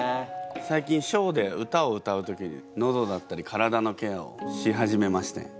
最近ショーで歌を歌う時にのどだったり体のケアをし始めまして。